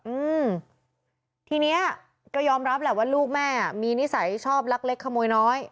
อืมทีเนี้ยก็ยอมรับแหละว่าลูกแม่อ่ะมีนิสัยชอบลักเล็กขโมยน้อย